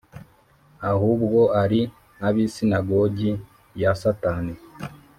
ahubwo ari ab’isinagogi ya Satani.